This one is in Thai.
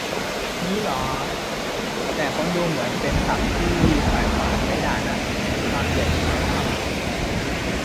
งี้เหรอ แต่ค้นดูเหมือนเป็นศัพท์ที่ฝ่ายขวาใช้ด่านะ มีความเหยียดอยู่ในคำ - -